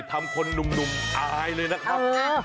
ทำคนหนุ่มอายเลยนะครับ